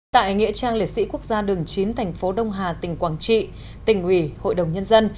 tại nghĩa trang liệt sĩ quốc gia đường chín thành phố đông hà tỉnh quảng trị tỉnh ủy hội đồng nhân dân